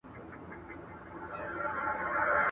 شیدې د ماشومانو د هډوکو د پیاوړتیا لپاره اړینې دي.